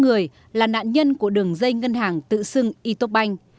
một năm trăm linh người là nạn nhân của đường dây ngân hàng tự xưng e top bank